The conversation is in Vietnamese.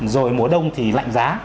rồi mùa đông thì lạnh giá